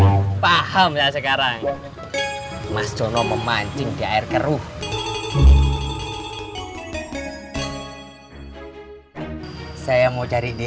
diamu sama maknoid paham sekarang mas jono memancing di air keruh saya mau cari di